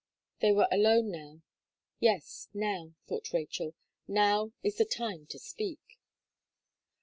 They were alone, "yes, now," thought Rachel, "now is the time to speak."